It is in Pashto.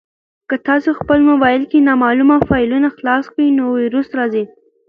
که تاسي په خپل موبایل کې نامعلومه فایلونه خلاص کړئ نو ویروس راځي.